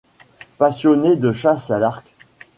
Passionné de chasse à l'arc.